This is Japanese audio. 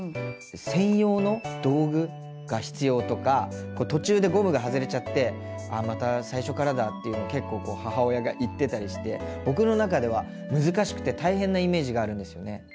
「専用の道具が必要」とか「途中でゴムが外れちゃってあまた最初からだ」っていうの結構こう母親が言ってたりして僕の中では難しくて大変なイメージがあるんですよね。